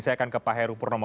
saya akan ke pak heru purnomo